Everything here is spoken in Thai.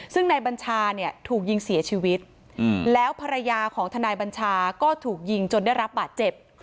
ซึ่งนายบัญชาเนี่ยถูกยิงเสียชีวิตแล้วภรรยาของทนายบัญชาก็ถูกยิงจนได้รับบาดเจ็บ